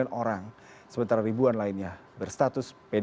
sempat langsung ada outbreak terkait dengan virus corona